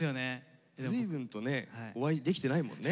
随分とねお会いできてないもんね。